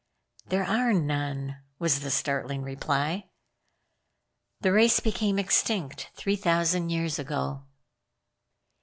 "There are none," was the startling reply. "_The race became extinct three thousand years ago.